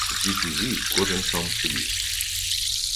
Всі чужі, кожен сам собі!